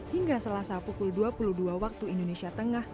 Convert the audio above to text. hingga selasa pukul dua puluh dua waktu indonesia tengah